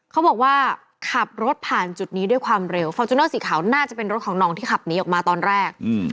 เขาบอกว่าขับรถผ่านจุดนี้ด้วยความเร็วฟอร์จูเนอร์สีขาวน่าจะเป็นรถของน้องที่ขับหนีออกมาตอนแรก